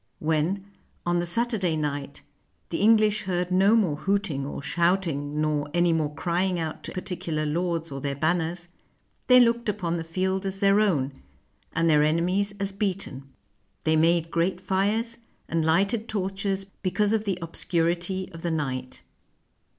... When, on the Saturday night, the English heard no more hooting or shouting, nor any more crying out to particular lords or their banners, they looked upon the field as their own, and their enemies as beaten. They made great fires and lighted torches because of the obscurity of the night.